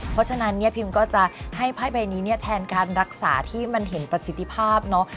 เพราะฉะนั้นเนี่ยพิมก็จะให้ไพ่ใบนี้เนี่ยแทนการรักษาที่มันเห็นประสิทธิภาพเนาะ